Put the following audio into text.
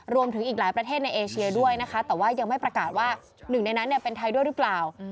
อีกหลายประเทศในเอเชียด้วยนะคะแต่ว่ายังไม่ประกาศว่าหนึ่งในนั้นเป็นไทยด้วยหรือเปล่า